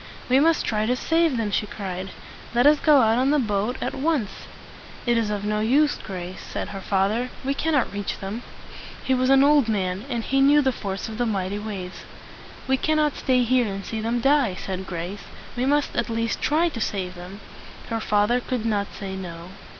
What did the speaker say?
"We must try to save them!" she cried. "Let us go out in the boat at once!" "It is of no use, Grace," said her father. "We cannot reach them." He was an old man, and he knew the force of the mighty waves. "We cannot stay here and see them die," said Grace. "We must at least try to save them." Her father could not say, "No."